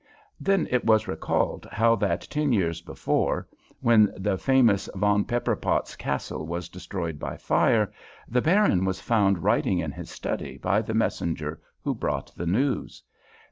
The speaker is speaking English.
Then it was recalled how that ten years before, when the famous Von Pepperpotz Castle was destroyed by fire, the Baron was found writing in his study by the messenger who brought the news.